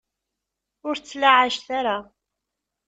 Ur t-ttlaɛajet ara.